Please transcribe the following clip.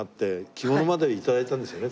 着物まで頂いたんですよね